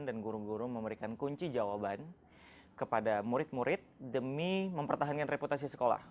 dan guru guru memberikan kunci jawaban kepada murid murid demi mempertahankan reputasi sekolah